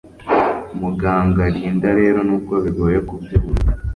Muganga Linda rero nubwo bigoye kubyumva